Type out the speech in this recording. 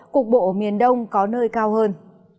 cục bộ ở miền đông có nơi cao hơn